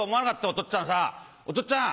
おとっつぁんさおとっつぁん！